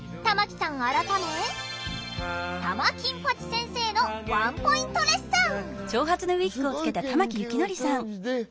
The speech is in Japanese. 改め玉金八先生のワンポイントレッスン。